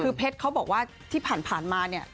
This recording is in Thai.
คือเพชรเขาบอกว่าที่ผ่านมาเนี่ย